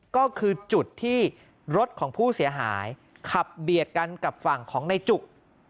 ก็คือจุดที่รถของผู้เสียหายขับเบียดกันกับฝั่งของในจุก